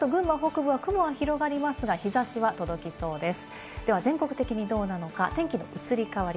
この後、群馬北部は雲が広がりますが日差しは届きそうです。